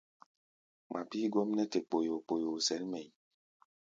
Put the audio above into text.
Ŋma bíí gɔ́m nɛ́ te kpoyoo-kpoyoo sɛ̌n mɛʼí̧.